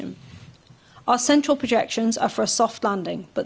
penyelesaian utama kita untuk penerbangan lembut